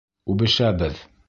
Үбешәбеҙ!